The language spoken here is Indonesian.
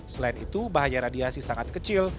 selain itu bahaya radiasi sangat kecil